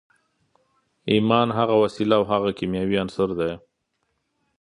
ایمان هغه وسیله او هغه کیمیاوي عنصر دی